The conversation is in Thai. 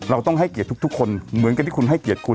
เราต้องให้เกียรติทุกคนเหมือนกับที่คุณให้เกียรติคุณ